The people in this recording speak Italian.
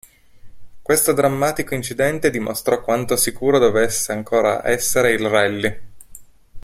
Questo drammatico incidente dimostrò quanto sicuro dovesse ancora essere il Rally.